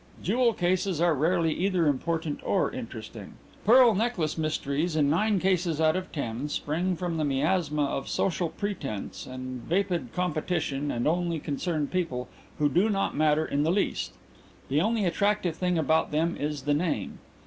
"Jewel cases are rarely either important or interesting. Pearl necklace mysteries, in nine cases out of ten, spring from the miasma of social pretence and vapid competition and only concern people who do not matter in the least. The only attractive thing about them is the name.